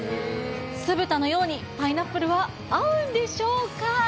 酢豚のようにパイナップルは合うんでしょうか。